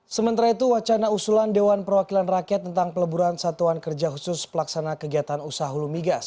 sementara itu wacana usulan dewan perwakilan rakyat tentang peleburan satuan kerja khusus pelaksana kegiatan usaha hulu migas